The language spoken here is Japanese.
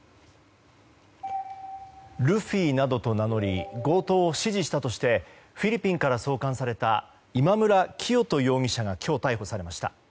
ルフィなどと名乗り強盗を指示したとしてフィリピンから送還された今村磨人容疑者が今日、逮捕されました。